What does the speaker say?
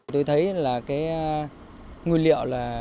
tôi thấy là cái nguyên liệu là